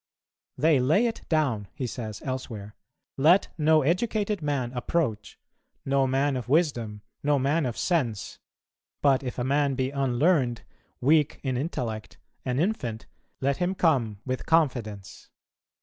"They lay it down," he says elsewhere, "Let no educated man approach, no man of wisdom, no man of sense; but if a man be unlearned, weak in intellect, an infant, let him come with confidence.